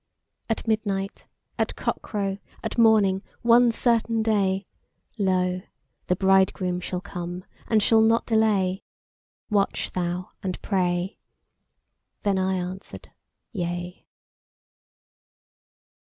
At midnight, at cock crow, at morning, one certain day Lo, the Bridegroom shall come and shall not delay: Watch thou and pray. Then I answered: Yea.